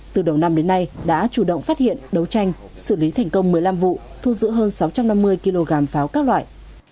từ đầu năm đến nay đã chủ động phát hiện đấu tranh xử lý thành công một mươi năm vụ thu giữ hơn sáu trăm năm mươi kg pháo các loại